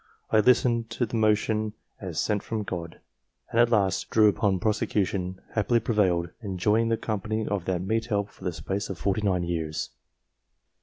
I listened to the motion as sent from God ; and at last, upon due prosecution, happily prevailed, enjoying the company of that meet help for the space of forty nine years."